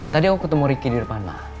tadi aku ketemu ricky di depan lah